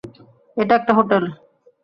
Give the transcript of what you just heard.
এটা একটা হোটেল।